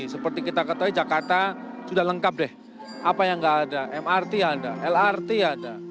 seperti kita ketahui jakarta sudah lengkap deh apa yang nggak ada mrt ada lrt ada